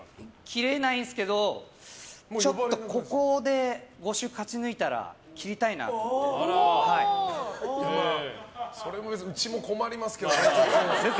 切れないんですけどちょっとここで５週勝ち抜いたらそれはうちも困りますけどね。